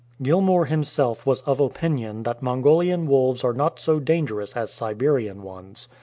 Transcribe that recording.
Gilmour himself was of opinion that Mon golian wolves are not so dangerous as Siberian ones.